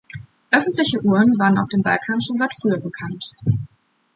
Öffentliche Uhren waren auf dem Balkan schon weit früher bekannt.